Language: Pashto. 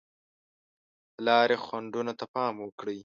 د لارې خنډونو ته پام وکړئ.